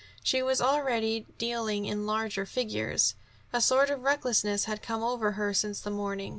She was already dealing in larger figures. A sort of recklessness had come over her since the morning.